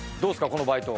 このバイト。